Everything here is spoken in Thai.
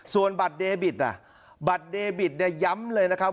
ส่วนบัตรเดบิตบัตรเดบิตเนี่ยย้ำเลยนะครับ